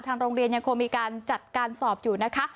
โรงเรียนยังคงมีการจัดการสอบอยู่นะคะ